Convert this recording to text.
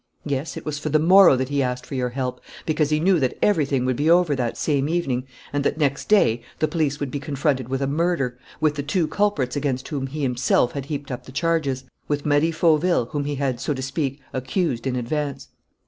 Yes, it was for the morrow that he asked for your help, because he knew that everything would be over that same evening and that next day the police would be confronted with a murder, with the two culprits against whom he himself had heaped up the charges, with Marie Fauville, whom he had, so to speak, accused in advance....